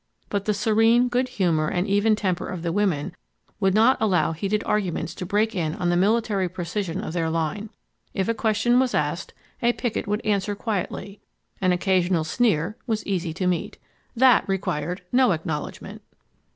But the serene, good humor and even temper of the women would not allow heated arguments to break in on the military precision of their line. If a question was asked, a picket would answer quietly. An occasional sneer was easy to meet. That required no acknowledgment.